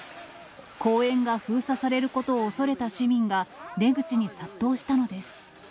公園が封鎖されることを恐れた市民が、出口に殺到したのです。